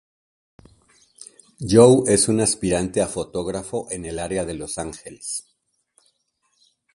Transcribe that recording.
Joe es un aspirante a fotógrafo en el área de Los Angeles.